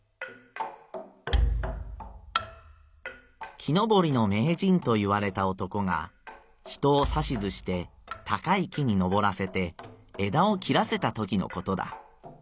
「木登りの名人といわれた男が人をさし図して高い木に登らせて枝を切らせたときのことだ。